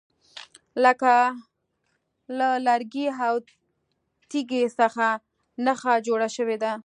لکه له لرګي او یا تیږي څخه نښه جوړه شوې ده.